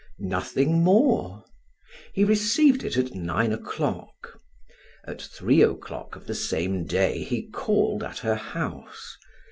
Nothing more. He received it at nine o'clock. At three o'clock of the same day he called at her house.